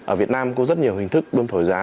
ở việt nam có rất nhiều hình thức bơm thổi giá